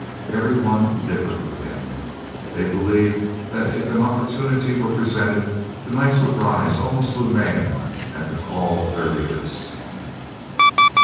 Every one differed with him. They believed that if an opportunity were presented the Knights would rise almost to a man at the call of their leaders.